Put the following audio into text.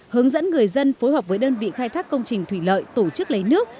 hướng dẫn người dân phối hợp với đơn vị khai thác công trình thủy lợi tổ chức lấy nước